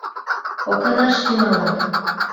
Окынаш тӱҥалат!